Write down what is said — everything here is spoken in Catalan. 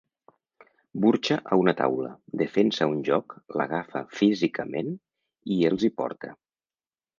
Burxa a una taula, defensa un joc, l'agafa físicament i els hi porta.